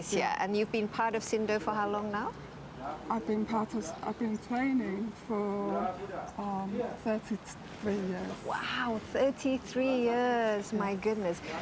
dan juga olimpiade